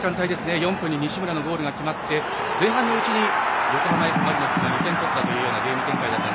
４分に西村のゴールが決まって、前半のうちに横浜Ｆ・マリノスが２点取ったというゲーム展開でした。